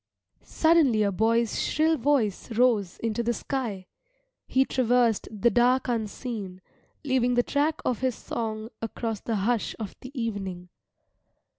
Suddenly a boy's shrill voice rose into the sky. He traversed the dark unseen, leaving the track of his song across the hush of the evening.